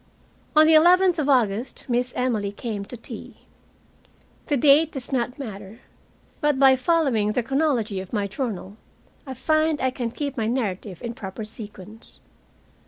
On the eleventh of August Miss Emily came to tea. The date does not matter, but by following the chronology of my journal I find I can keep my narrative in proper sequence.